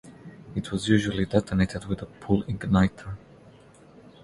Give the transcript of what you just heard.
It was usually detonated with a pull igniter.